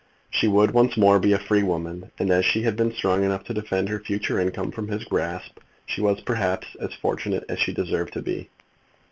She would once more be a free woman, and as she had been strong enough to defend her future income from his grasp, she was perhaps as fortunate as she deserved to be.